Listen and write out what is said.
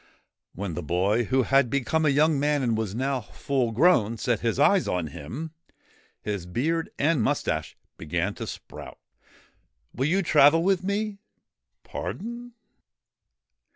When the boy, who had become a young man and was now full grown, set his eyes on him, his beard and moustache began to sprout. ' Will you travel with me ?'' Pardon